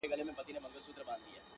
چي پر ما باندي یې سیوری کله لویږي!.